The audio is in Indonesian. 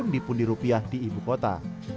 pembelian di pundi rupiah di ibukota